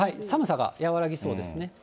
寒さが和らぎそうですね。